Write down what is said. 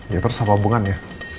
ya terus apa hubungannya